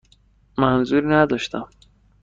منظوری نداشتم.